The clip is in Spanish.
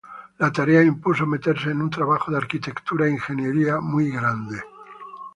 La tarea impuso meterse en un trabajo de arquitectura e ingeniería muy grande.